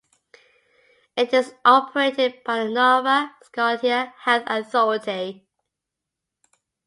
It is operated by the Nova Scotia Health Authority.